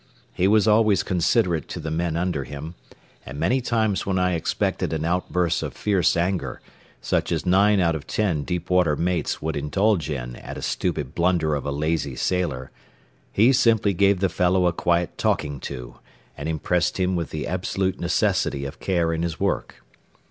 He was always considerate to the men under him, and many times when I expected an outburst of fierce anger, such as nine out of ten deep water mates would indulge in at a stupid blunder of a lazy sailor, he simply gave the fellow a quiet talking to and impressed him with the absolute necessity of care in his work.